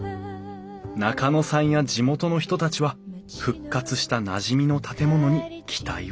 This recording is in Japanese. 中野さんや地元の人たちは復活したなじみの建物に期待を寄せている。